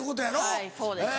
はいそうですね。